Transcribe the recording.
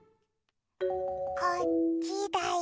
こっちだよ。